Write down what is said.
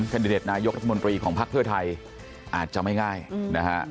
ดิเดตนายกรัฐมนตรีของภักดิ์เพื่อไทยอาจจะไม่ง่ายนะฮะ